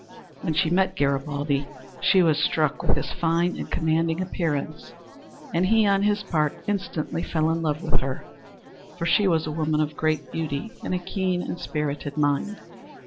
When she met Garibaldi she was struck with his fine and commanding appearance, and he on his part instantly fell in love with her, for she was a woman of great beauty and a keen and spirited mind.